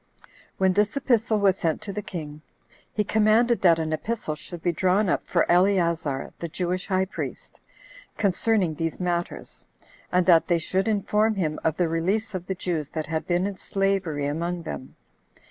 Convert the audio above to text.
5. When this epistle was sent to the king, he commanded that an epistle should be drawn up for Eleazar, the Jewish high priest, concerning these matters; and that they should inform him of the release of the Jews that had been in slavery among them.